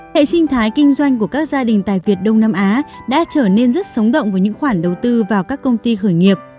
hệ sinh thái kinh doanh của các gia đình tại việt đông nam á đã trở nên rất sống động với những khoản đầu tư vào các công ty khởi nghiệp